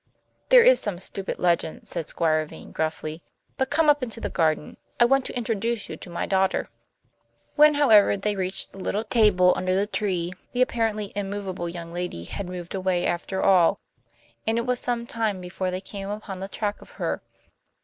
"There is some stupid legend," said Squire Vane gruffly. "But come up into the garden; I want to introduce you to my daughter." When, however, they reached the little table under the tree, the apparently immovable young lady had moved away after all, and it was some time before they came upon the track of her.